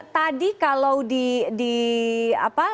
tadi kalau di apa